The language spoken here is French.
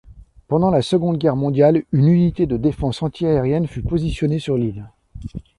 Pendant la Seconde Guerre mondiale, une unité de défense anti-aérienne fut positionnée sur l'île.